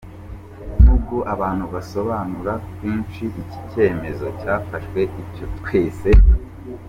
Nubwo abantu basobanura kwinshi iki icyemezo cyafashwe, icyo twese